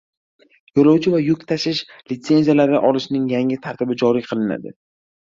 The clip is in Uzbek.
Yo‘lovchi va yuk tashish litsenziyalari olishning yangi tartibi joriy qilinadi